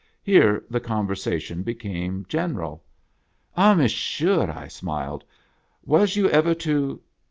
Here the conversation became general. "Ah, Monsieur," I smiled, "was you ever to